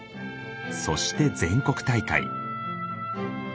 そして全国大会。